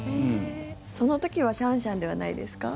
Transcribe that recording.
その時はシャンシャンではないですか？